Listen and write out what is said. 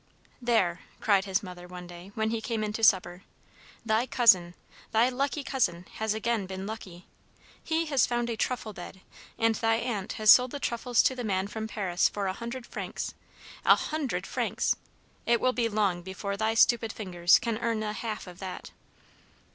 "There!" cried his mother one day, when he came in to supper. "Thy cousin thy lucky cousin has again been lucky. He has found a truffle bed, and thy aunt has sold the truffles to the man from Paris for a hundred francs. A hundred francs! It will be long before thy stupid fingers can earn the half of that!"